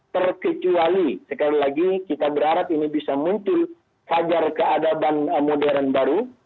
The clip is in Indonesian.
terkecuali sekali lagi kita berharap ini bisa muncul fajar keadaban modern baru